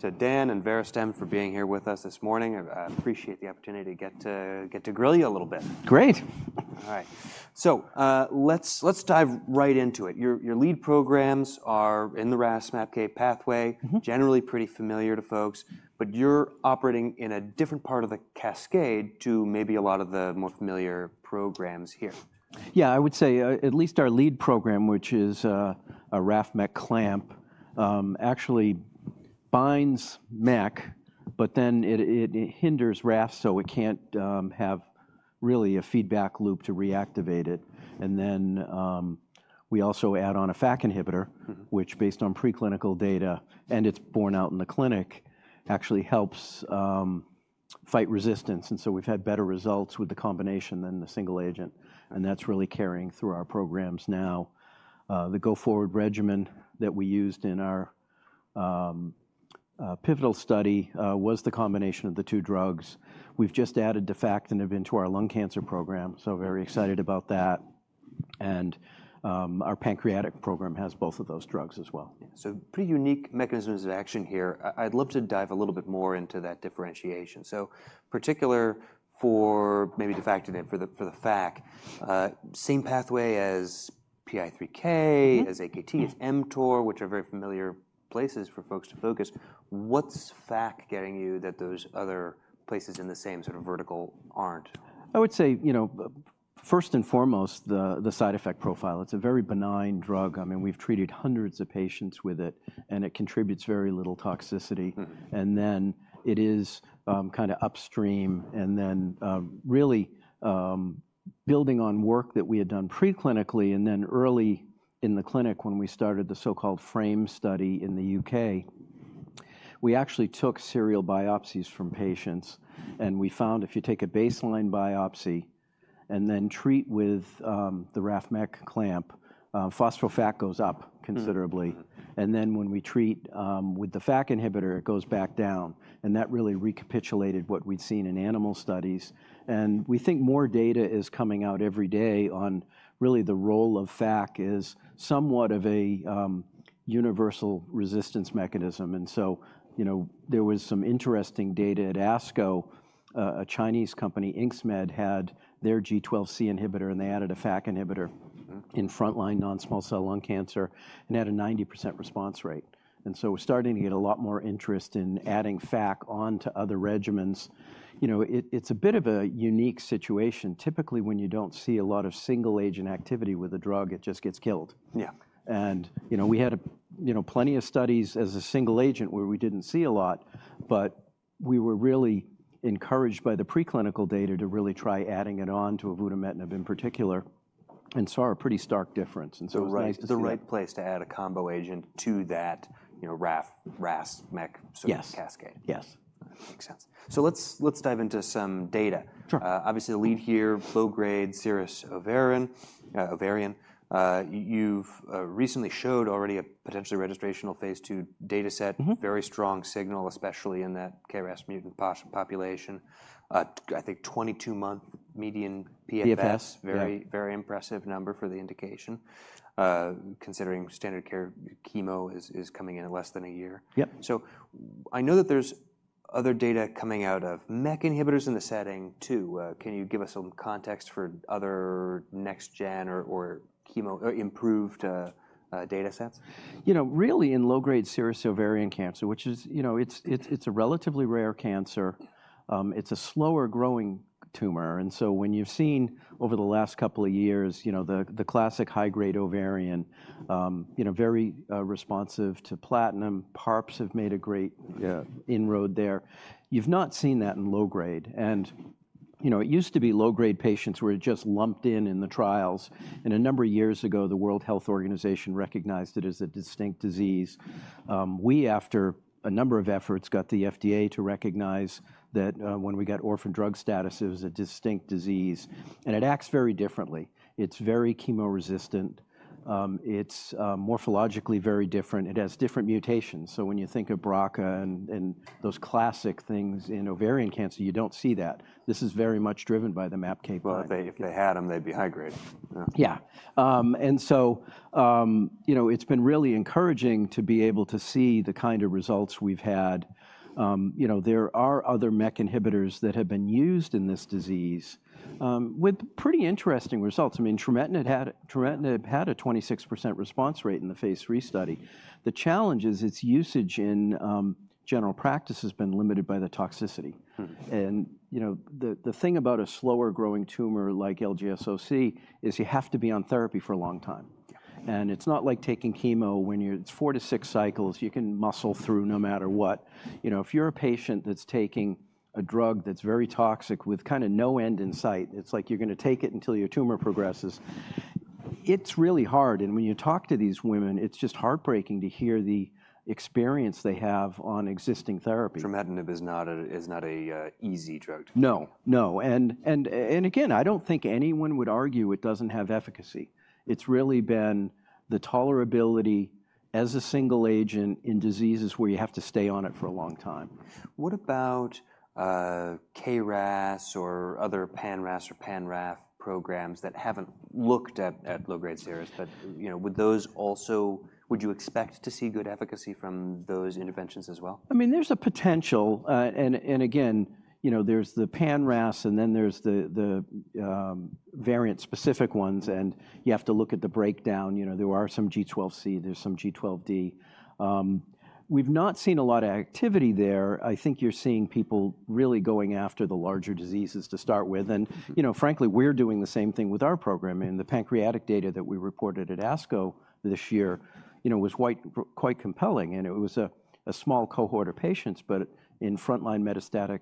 To Dan and Verastem for being here with us this morning. I appreciate the opportunity to get to grill you a little bit. Great. All right. So let's dive right into it. Your lead programs are in the RAS, MAPK pathway, generally pretty familiar to folks, but you're operating in a different part of the cascade to maybe a lot of the more familiar programs here. Yeah, I would say at least our lead program, which is a RAF-MEK clamp, actually binds MEK, but then it hinders RAS, so it can't have really a feedback loop to reactivate it. And then we also add on a FAK inhibitor, which, based on preclinical data, and it's borne out in the clinic, actually helps fight resistance. And so we've had better results with the combination than the single agent. And that's really carrying through our programs now. The go-forward regimen that we used in our pivotal study was the combination of the two drugs. We've just added defactinib to our lung cancer program, so very excited about that. And our pancreatic program has both of those drugs as well. Pretty unique mechanisms of action here. I'd love to dive a little bit more into that differentiation. Particular for maybe defactinib, for the FAK, same pathway as PI3K, as AKT, as mTOR, which are very familiar places for folks to focus. What's FAK getting you that those other places in the same sort of vertical aren't? I would say, you know, first and foremost, the side effect profile. It's a very benign drug. I mean, we've treated hundreds of patients with it, and it contributes very little toxicity. And then it is kind of upstream. And then really building on work that we had done preclinically and then early in the clinic when we started the so-called FRAME study in the U.K., we actually took serial biopsies from patients. And we found if you take a baseline biopsy and then treat with the RAF-MEK clamp, pFAK goes up considerably. And then when we treat with the FAK inhibitor, it goes back down. And that really recapitulated what we'd seen in animal studies. And we think more data is coming out every day on really the role of FAK as somewhat of a universal resistance mechanism. You know, there was some interesting data at ASCO. A Chinese company, InxMed, had their G12C inhibitor, and they added a FAK inhibitor in frontline non-small cell lung cancer and had a 90% response rate. We're starting to get a lot more interest in adding FAK onto other regimens. You know, it's a bit of a unique situation. Typically, when you don't see a lot of single agent activity with a drug, it just gets killed. Yeah. You know, we had plenty of studies as a single agent where we didn't see a lot, but we were really encouraged by the preclinical data to really try adding it on to avutometinib in particular and saw a pretty stark difference. So the right place to add a combo agent to that RAS, MEK sort of cascade. Yes. Makes sense. So let's dive into some data. Sure. Obviously, the lead here, low-grade serous ovarian. You've recently showed already a potentially registrational phase 2 data set, very strong signal, especially in that KRAS mutant population. I think 22-month median PFS. PFS. Very impressive number for the indication, considering standard care chemo is coming in less than a year. Yep. So I know that there's other data coming out of MEK inhibitors in the setting too. Can you give us some context for other next-gen or improved data sets? You know, really in low-grade serous ovarian cancer, which is, you know, it's a relatively rare cancer. It's a slower-growing tumor, and so when you've seen over the last couple of years, you know, the classic high-grade ovarian, you know, very responsive to platinum, PARPs have made a great inroad there. You've not seen that in low-grade, and, you know, it used to be low-grade patients were just lumped in the trials, and a number of years ago, the World Health Organization recognized it as a distinct disease. We, after a number of efforts, got the FDA to recognize that when we got orphan drug status, it was a distinct disease, and it acts very differently. It's very chemo-resistant. It's morphologically very different. It has different mutations, so when you think of BRCA and those classic things in ovarian cancer, you don't see that. This is very much driven by the MAPK program. If they had them, they'd be high-grade. Yeah. And so, you know, it's been really encouraging to be able to see the kind of results we've had. You know, there are other MEK inhibitors that have been used in this disease with pretty interesting results. I mean, trametinib had a 26% response rate in the phase three study. The challenge is its usage in general practice has been limited by the toxicity. And, you know, the thing about a slower-growing tumor like LGSOC is you have to be on therapy for a long time. And it's not like taking chemo when you're four to six cycles. You can muscle through no matter what. You know, if you're a patient that's taking a drug that's very toxic with kind of no end in sight, it's like you're going to take it until your tumor progresses. It's really hard. When you talk to these women, it's just heartbreaking to hear the experience they have on existing therapy. Trametinib is not an easy drug to. No, no. And again, I don't think anyone would argue it doesn't have efficacy. It's really been the tolerability as a single agent in diseases where you have to stay on it for a long time. What about KRAS or other pan-RAS or pan-RAF programs that haven't looked at low-grade serous? But, you know, would those also, would you expect to see good efficacy from those interventions as well? I mean, there's a potential. And again, you know, there's the pan-RAS, and then there's the variant-specific ones. And you have to look at the breakdown. You know, there are some G12C, there's some G12D. We've not seen a lot of activity there. I think you're seeing people really going after the larger diseases to start with. And, you know, frankly, we're doing the same thing with our program. And the pancreatic data that we reported at ASCO this year, you know, was quite compelling. And it was a small cohort of patients, but in frontline metastatic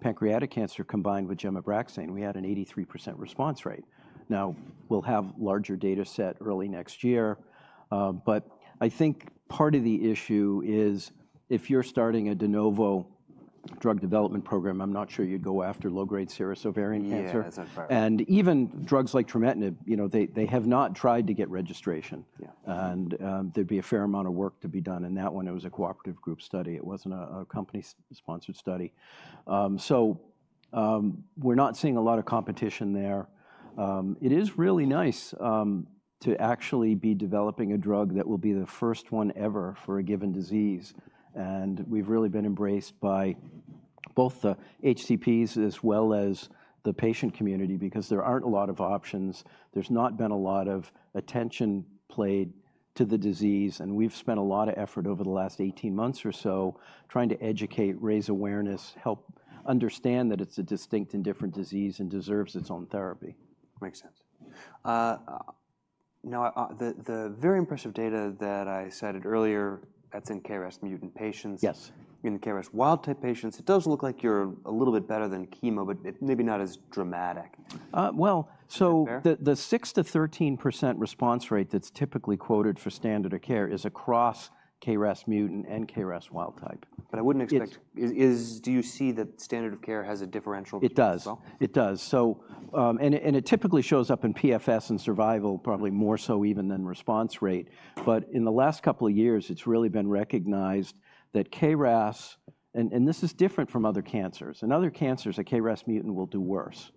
pancreatic cancer combined with gem-Abraxane, we had an 83% response rate. Now, we'll have a larger data set early next year. But I think part of the issue is if you're starting a de novo drug development program, I'm not sure you'd go after low-grade serous ovarian cancer. Yeah, that's unfair. And even drugs like trametinib, you know, they have not tried to get registration. And there'd be a fair amount of work to be done in that one. It was a cooperative group study. It wasn't a company-sponsored study. So we're not seeing a lot of competition there. It is really nice to actually be developing a drug that will be the first one ever for a given disease. And we've really been embraced by both the HCPs as well as the patient community because there aren't a lot of options. There's not been a lot of attention played to the disease. And we've spent a lot of effort over the last 18 months or so trying to educate, raise awareness, help understand that it's a distinct and different disease and deserves its own therapy. Makes sense. Now, the very impressive data that I cited earlier, that's in KRAS mutant patients. Yes. In the KRAS wild-type patients, it does look like you're a little bit better than chemo, but maybe not as dramatic. The 6%-13% response rate that's typically quoted for standard of care is across KRAS mutant and KRAS wild-type. But I wouldn't expect. Do you see that standard of care has a differential? It does. It does, and it typically shows up in PFS and survival, probably more so even than response rate, but in the last couple of years, it's really been recognized that KRAS, and this is different from other cancers. In other cancers, a KRAS mutant will do worse.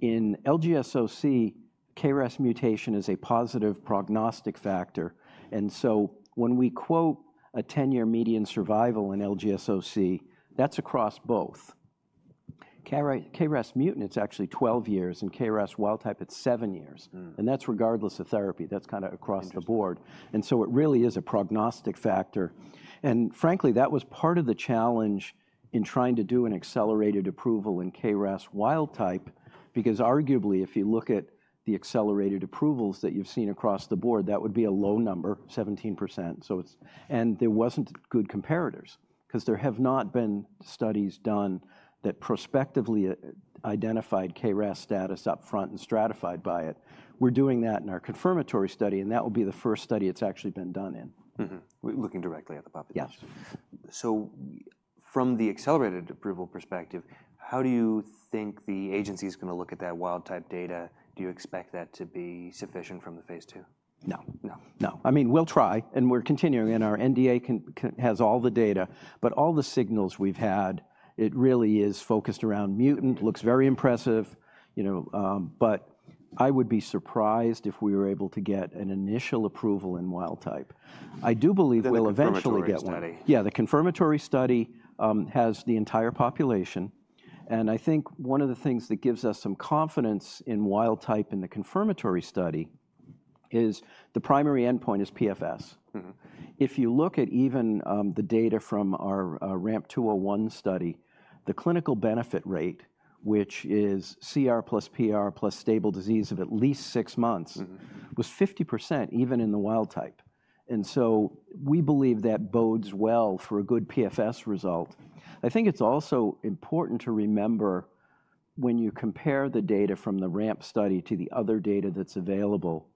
In LGSOC, KRAS mutation is a positive prognostic factor, and so when we quote a 10-year median survival in LGSOC, that's across both. KRAS mutant, it's actually 12 years, and KRAS wild-type, it's seven years, and that's regardless of therapy. That's kind of across the board, and so it really is a prognostic factor. Frankly, that was part of the challenge in trying to do an accelerated approval in KRAS wild-type because arguably, if you look at the accelerated approvals that you've seen across the board, that would be a low number, 17%. There weren't good comparators because there have not been studies done that prospectively identified KRAS status upfront and stratified by it. We're doing that in our confirmatory study, and that will be the first study it's actually been done in. Looking directly at the population. Yes. So from the accelerated approval perspective, how do you think the agency is going to look at that wild-type data? Do you expect that to be sufficient from the phase two? No. No. No. I mean, we'll try, and we're continuing, and our NDA has all the data, but all the signals we've had, it really is focused around mutant. It looks very impressive. You know, but I would be surprised if we were able to get an initial approval in wild-type. I do believe we'll eventually get one. The confirmatory study. Yeah, the confirmatory study has the entire population. And I think one of the things that gives us some confidence in wild-type in the confirmatory study is the primary endpoint is PFS. If you look at even the data from our RAMP-201 study, the clinical benefit rate, which is CR plus PR plus stable disease of at least six months, was 50% even in the wild-type. And so we believe that bodes well for a good PFS result. I think it's also important to remember when you compare the data from the RAMP study to the other data that's available.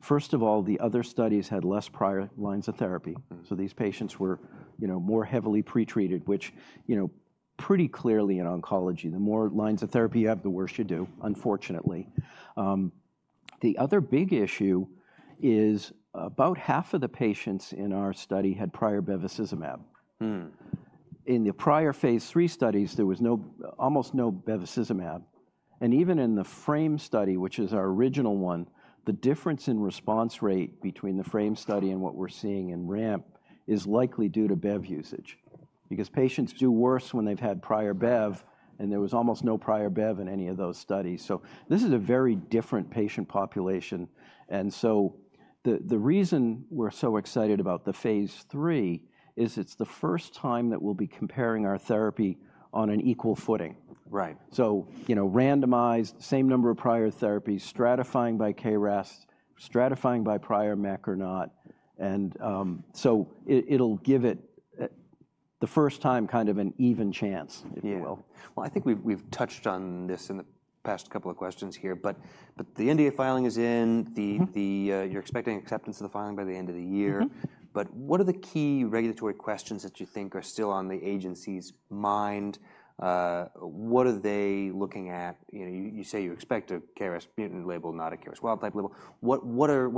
First of all, the other studies had less prior lines of therapy. So these patients were, you know, more heavily pretreated, which, you know, pretty clearly in oncology, the more lines of therapy you have, the worse you do, unfortunately. The other big issue is about half of the patients in our study had prior bevacizumab. In the prior phase three studies, there was almost no bevacizumab, and even in the FRAME study, which is our original one, the difference in response rate between the FRAME study and what we're seeing in RAMP is likely due to Bev usage because patients do worse when they've had prior Bev, and there was almost no prior Bev in any of those studies, so this is a very different patient population, and so the reason we're so excited about the phase three is it's the first time that we'll be comparing our therapy on an equal footing. Right. So, you know, randomized, same number of prior therapies, stratifying by KRAS, stratifying by prior MEK or not. And so it'll give it the first time kind of an even chance, if you will. Yeah. Well, I think we've touched on this in the past couple of questions here, but the NDA filing is in. You're expecting acceptance of the filing by the end of the year. But what are the key regulatory questions that you think are still on the agency's mind? What are they looking at? You know, you say you expect a KRAS mutant label, not a KRAS wild-type label. What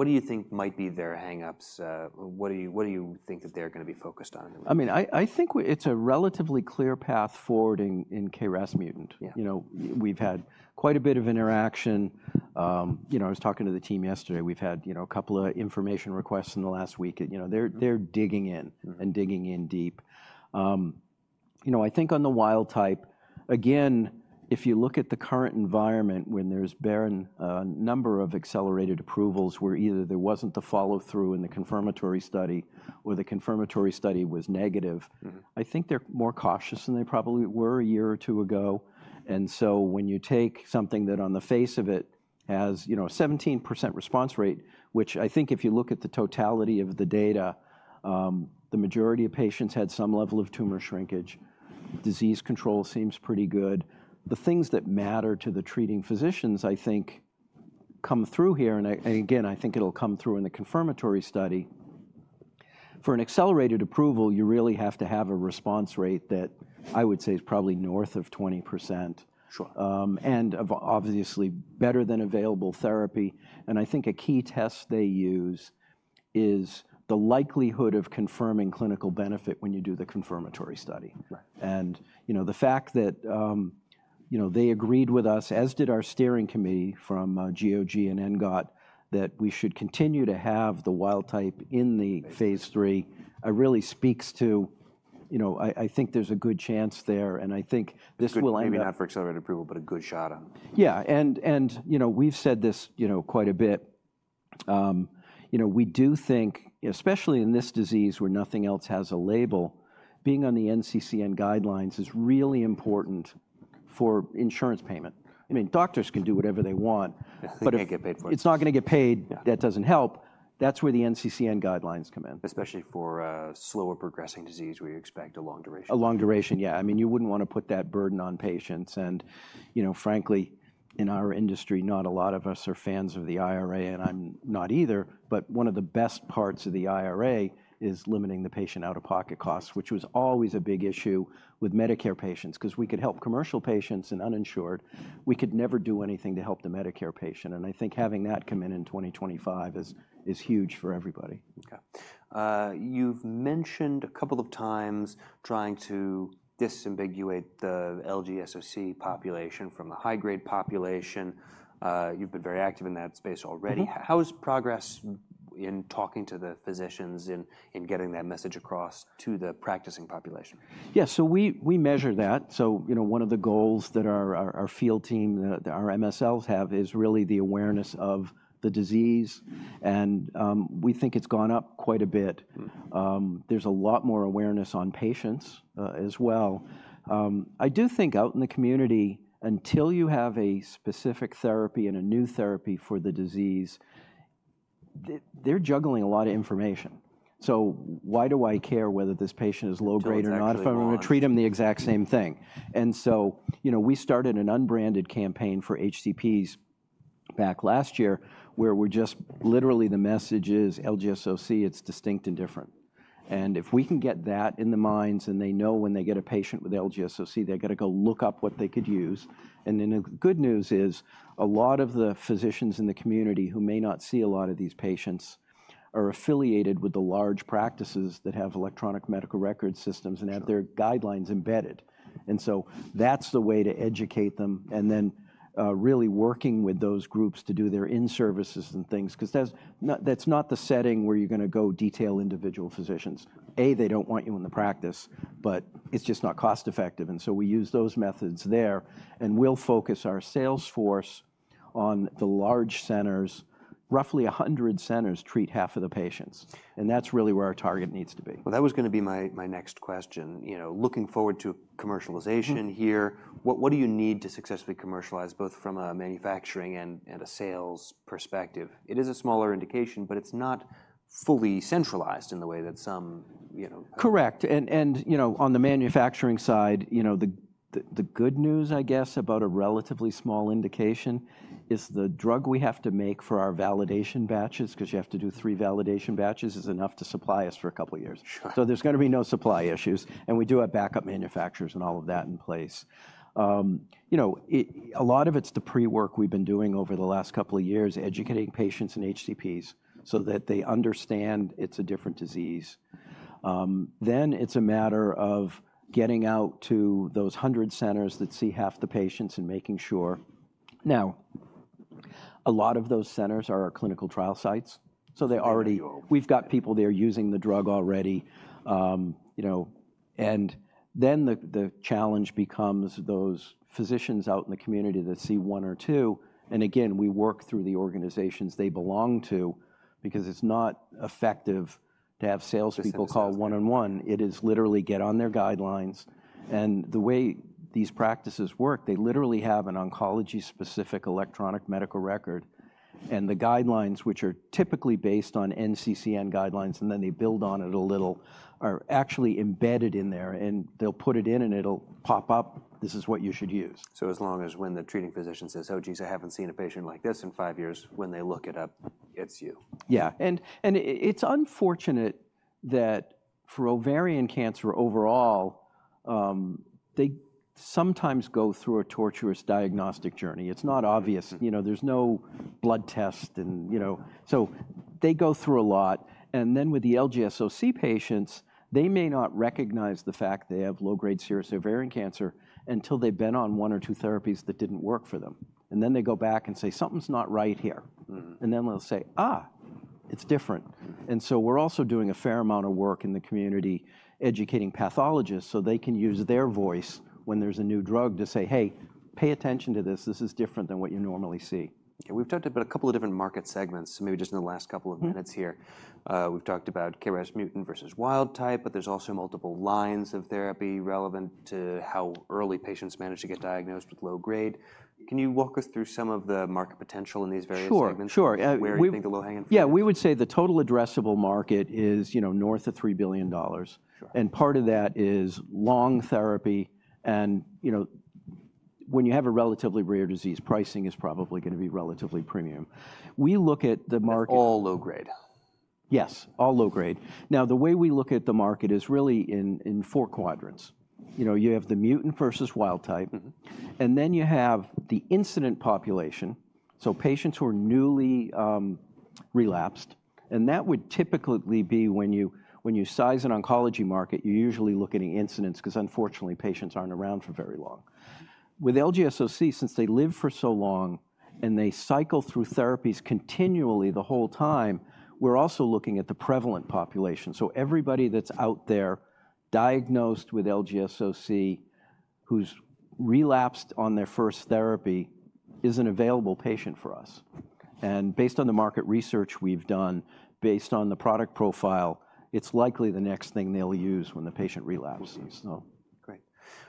do you think might be their hang-ups? What do you think that they're going to be focused on? I mean, I think it's a relatively clear path forward in KRAS mutant. You know, we've had quite a bit of interaction. You know, I was talking to the team yesterday. We've had, you know, a couple of information requests in the last week. You know, they're digging in and digging in deep. You know, I think on the wild-type, again, if you look at the current environment when there's been a number of accelerated approvals where either there wasn't the follow-through in the confirmatory study or the confirmatory study was negative, I think they're more cautious than they probably were a year or two ago. And so when you take something that on the face of it has, you know, a 17% response rate, which I think if you look at the totality of the data, the majority of patients had some level of tumor shrinkage. Disease control seems pretty good. The things that matter to the treating physicians, I think, come through here. And again, I think it'll come through in the confirmatory study. For an accelerated approval, you really have to have a response rate that I would say is probably north of 20%. Sure. Obviously better than available therapy. I think a key test they use is the likelihood of confirming clinical benefit when you do the confirmatory study. You know, the fact that, you know, they agreed with us, as did our steering committee from GOG and ENGOT, that we should continue to have the wild-type in the phase 3 really speaks to, you know, I think there's a good chance there. I think this will. Maybe not for accelerated approval, but a good shot on. Yeah. And, you know, we've said this, you know, quite a bit. You know, we do think, especially in this disease where nothing else has a label, being on the NCCN guidelines is really important for insurance payment. I mean, doctors can do whatever they want. It's not going to get paid for it. It's not going to get paid. That doesn't help. That's where the NCCN guidelines come in. Especially for a slower-progressing disease where you expect a long duration. A long duration, yeah. I mean, you wouldn't want to put that burden on patients. And, you know, frankly, in our industry, not a lot of us are fans of the IRA, and I'm not either. But one of the best parts of the IRA is limiting the patient out-of-pocket costs, which was always a big issue with Medicare patients because we could help commercial patients and uninsured. We could never do anything to help the Medicare patient. And I think having that come in in 2025 is huge for everybody. Okay. You've mentioned a couple of times trying to disambiguate the LGSOC population from a high-grade population. You've been very active in that space already. How's progress in talking to the physicians and getting that message across to the practicing population? Yeah. So we measure that. So, you know, one of the goals that our field team, our MSLs have is really the awareness of the disease. And we think it's gone up quite a bit. There's a lot more awareness on patients as well. I do think out in the community, until you have a specific therapy and a new therapy for the disease, they're juggling a lot of information. So why do I care whether this patient is low-grade or not if I'm going to treat him the exact same thing? And so, you know, we started an unbranded campaign for HCPs back last year where we're just literally the message is LGSOC, it's distinct and different. And if we can get that in the minds and they know when they get a patient with LGSOC, they're going to go look up what they could use. And then the good news is a lot of the physicians in the community who may not see a lot of these patients are affiliated with the large practices that have electronic medical record systems and have their guidelines embedded. And so that's the way to educate them. And then really working with those groups to do their in-services and things because that's not the setting where you're going to go detail individual physicians. They don't want you in the practice, but it's just not cost-effective. And so we use those methods there. And we'll focus our sales force on the large centers. Roughly 100 centers treat half of the patients. And that's really where our target needs to be. Well, that was going to be my next question. You know, looking forward to commercialization here, what do you need to successfully commercialize both from a manufacturing and a sales perspective? It is a smaller indication, but it's not fully centralized in the way that some, you know. Correct, and you know, on the manufacturing side, you know, the good news, I guess, about a relatively small indication is the drug we have to make for our validation batches because you have to do three validation batches is enough to supply us for a couple of years. Sure. So there's going to be no supply issues. And we do have backup manufacturers and all of that in place. You know, a lot of it's the pre-work we've been doing over the last couple of years, educating patients and HCPs so that they understand it's a different disease. Then it's a matter of getting out to those 100 centers that see half the patients and making sure. Now, a lot of those centers are our clinical trial sites. So they already, we've got people there using the drug already. You know, and then the challenge becomes those physicians out in the community that see one or two. And again, we work through the organizations they belong to because it's not effective to have salespeople call one-on-one. It is literally get on their guidelines. And the way these practices work, they literally have an oncology-specific electronic medical record. And the guidelines, which are typically based on NCCN guidelines, and then they build on it a little, are actually embedded in there. And they'll put it in and it'll pop up, this is what you should use. So as long as when the treating physician says, "Oh, geez, I haven't seen a patient like this in five years," when they look it up, it's you. Yeah. And it's unfortunate that for ovarian cancer overall, they sometimes go through a tortuous diagnostic journey. It's not obvious. You know, there's no blood test and, you know, so they go through a lot. And then with the LGSOC patients, they may not recognize the fact they have low-grade serous ovarian cancer until they've been on one or two therapies that didn't work for them. And then they go back and say, "Something's not right here." And then they'll say, "It's different." And so we're also doing a fair amount of work in the community educating pathologists so they can use their voice when there's a new drug to say, "Hey, pay attention to this. This is different than what you normally see. Okay. We've talked about a couple of different market segments, maybe just in the last couple of minutes here. We've talked about KRAS mutant versus wild-type, but there's also multiple lines of therapy relevant to how early patients manage to get diagnosed with low-grade. Can you walk us through some of the market potential in these various segments? Sure. Sure. Where do you think the low-hanging fruit? Yeah. We would say the total addressable market is, you know, north of $3 billion. And part of that is long therapy. And, you know, when you have a relatively rare disease, pricing is probably going to be relatively premium. We look at the market. All low-grade. Yes. All low-grade. Now, the way we look at the market is really in four quadrants. You know, you have the mutant versus wild-type. And then you have the incidence population, so patients who are newly relapsed. And that would typically be when you size an oncology market, you usually look at incidence because unfortunately, patients aren't around for very long. With LGSOC, since they live for so long and they cycle through therapies continually the whole time, we're also looking at the prevalent population. So everybody that's out there diagnosed with LGSOC who's relapsed on their first therapy is an available patient for us. And based on the market research we've done, based on the product profile, it's likely the next thing they'll use when the patient relapses. Great.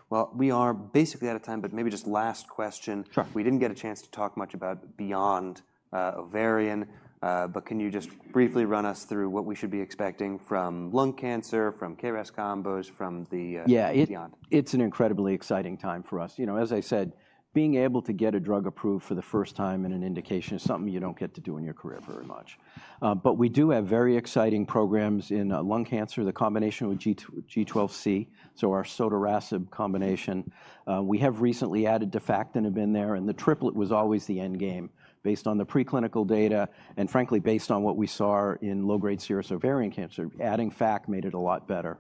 Well, we are basically out of time, but maybe just last question. Sure. We didn't get a chance to talk much about beyond ovarian, but can you just briefly run us through what we should be expecting from lung cancer, from KRAS combos, from the beyond? Yeah. It's an incredibly exciting time for us. You know, as I said, being able to get a drug approved for the first time in an indication is something you don't get to do in your career very much. But we do have very exciting programs in lung cancer, the combination with G12C, so our sotorasib combination. We have recently added defactinib back in there. And the triplet was always the end game based on the preclinical data and frankly, based on what we saw in low-grade serous ovarian cancer. Adding FAK made it a lot better.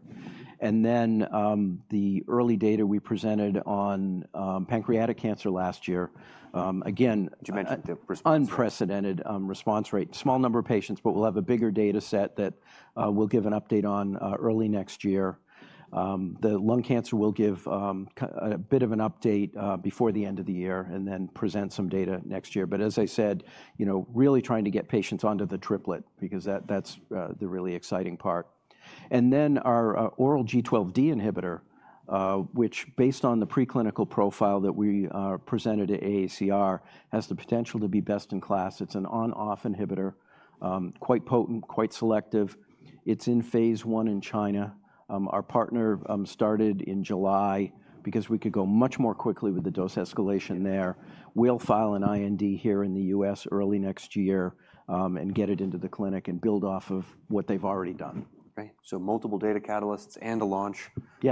And then the early data we presented on pancreatic cancer last year. Again. Did you mention the response rate? Unprecedented response rate. Small number of patients, but we'll have a bigger data set that we'll give an update on early next year. The lung cancer we'll give a bit of an update before the end of the year and then present some data next year. But as I said, you know, really trying to get patients onto the triplet because that's the really exciting part. And then our oral G12D inhibitor, which based on the preclinical profile that we presented at AACR, has the potential to be best in class. It's an on-off inhibitor, quite potent, quite selective. It's in phase 1 in China. Our partner started in July because we could go much more quickly with the dose escalation there. We'll file an IND here in the U.S. early next year and get it into the clinic and build off of what they've already done. Okay, so multiple data catalysts and a launch. Yes.